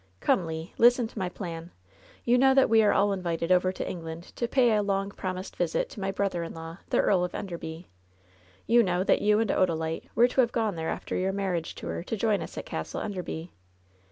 "Come, Le, listen to my plan. You know that we are all invited over to England to pay a long promised visit to my brother in law, the Earl of Enderby. You know that you and Odalite were to have gone there after your marriage tour to join us at Castle Enderby.''